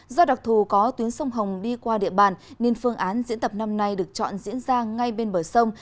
do đặc thù có tuyến sông hồng đi qua địa bàn nên phương án diễn tập năm nay được chọn diễn ra ngay bên bờ sông